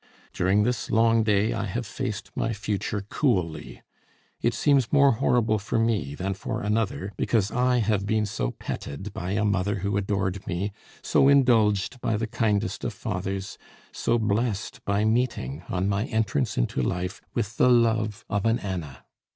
During this long day I have faced my future coolly. It seems more horrible for me than for another, because I have been so petted by a mother who adored me, so indulged by the kindest of fathers, so blessed by meeting, on my entrance into life, with the love of an Anna!